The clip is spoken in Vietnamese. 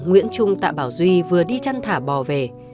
nguyễn trung tạ bảo duy vừa đi chăn thả bò về